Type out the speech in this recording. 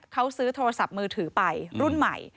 เขาซื้อโทรศัพท์มือถือไปรุ่นใหม่